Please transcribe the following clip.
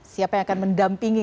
siapa yang akan mendampingi